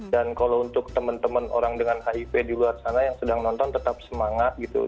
kalau untuk teman teman orang dengan hiv di luar sana yang sedang nonton tetap semangat gitu